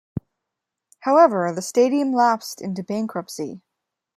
However, the stadium lapsed into bankruptcy.